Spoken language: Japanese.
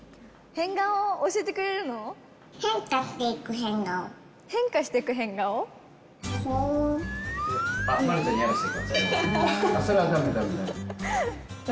変顔を教えてくれるの？